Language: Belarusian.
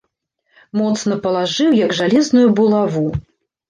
Моцна палажыў, як жалезную булаву.